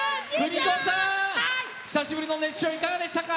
邦子さん、久しぶりの熱唱いかがでしたか？